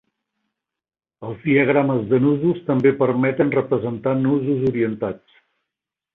Els diagrames de nusos també permeten representar nusos orientats.